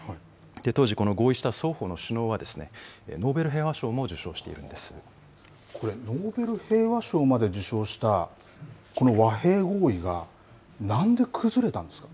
当時、この合意した双方の首脳はですね、ノーベル平和賞も受賞しこれ、ノーベル平和賞まで受賞したこの和平合意が、なんで崩れたんですか。